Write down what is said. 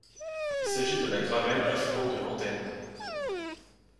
Il s'agit de la Gravelle affluent de l'Antenne.